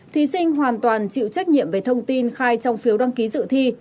thí sinh hoàn toàn chịu trách nhiệm về thông tin khai trong phiếu đăng ký dự thi